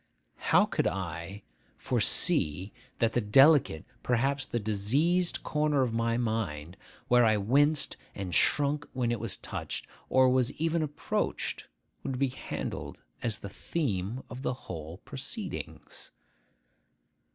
How could I foresee that the delicate, perhaps the diseased, corner of my mind, where I winced and shrunk when it was touched, or was even approached, would be handled as the theme of the whole proceedings?